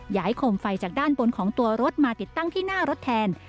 โคมไฟจากด้านบนของตัวรถมาติดตั้งที่หน้ารถแทน